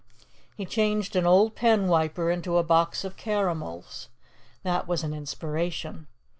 He changed an old pen wiper into a box of caramels. That was an inspiration.